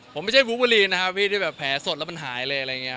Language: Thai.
ผมไม่ใช่บูรีนะครับพี่ที่แบบแผลสดแล้วมันหายเลยอะไรอย่างนี้